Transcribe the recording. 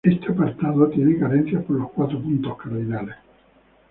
Este apartado tiene carencias por los cuatro puntos cardinales.